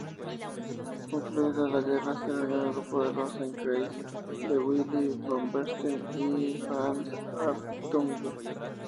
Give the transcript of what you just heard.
Concluida la guerra se unió al grupo Rosen-Kreis de Willi Baumeister y Hans Hartung.